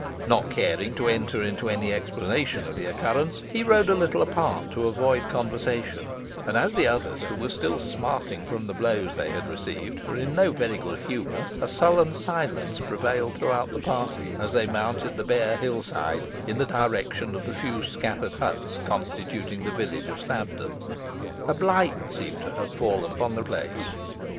Not caring to enter into any explanation of the occurrence, he rode a little apart to avoid conversation; as the others, who were still smarting from the blows they had received, were in no very good humour, a sullen silence prevailed throughout the party, as they mounted the bare hill side in the direction of the few scattered huts constituting the village of Sabden. A blight seemed to have fallen upon the place.